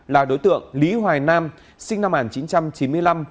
là đối tượng lý hoài nam sinh năm một nghìn chín trăm chín mươi năm